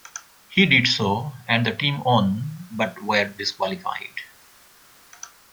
He did so and the team won but were disqualified.